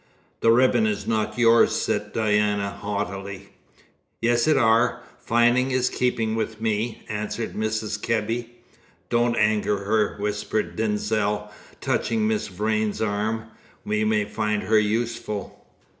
"The ribbon is not yours," said Diana haughtily. "Yes it are! Findings is keepings with me!" answered Mrs. Kebby. "Don't anger her," whispered Denzil, touching Miss Vrain's arm. "We may find her useful."